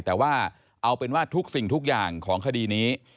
แต่ว่าเอาเป็นว่าทุกสิ่งทุกอย่างของคดีนี้